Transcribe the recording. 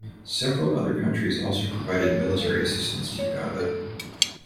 Several other countries also provided military assistance to Uganda.